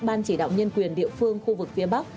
ban chỉ đạo nhân quyền địa phương khu vực phía bắc